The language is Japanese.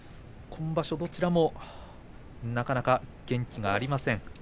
今場所どちらもなかなか元気がありません。